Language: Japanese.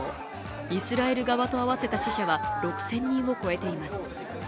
イスラエル側と合わせた死者は６０００人を超えています。